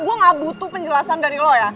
gue gak butuh penjelasan dari lo ya